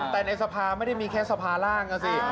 แต่ในสภาไม่ได้มีแค่สภาร่างนะสิ